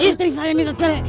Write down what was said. istri saya minta cerai